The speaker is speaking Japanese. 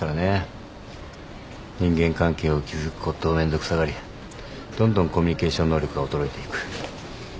人間関係を築くことをめんどくさがりどんどんコミュニケーション能力が衰えていく。